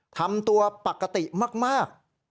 ทำตัวปกติมาก